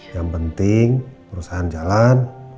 yang penting perusahaan jalan